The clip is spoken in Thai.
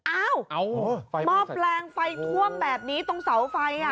อ้าวมอบแรงไฟท่วมแบบนี้ตรงเสาไฟ